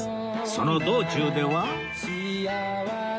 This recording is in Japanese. その道中では